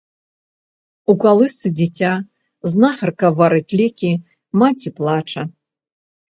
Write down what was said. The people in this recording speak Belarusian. У калысцы дзіця, знахарка варыць лекі, маці плача.